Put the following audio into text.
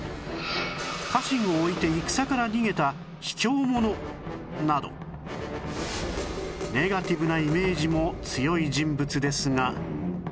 家臣を置いて戦から逃げた卑怯者などネガティブなイメージも強い人物ですが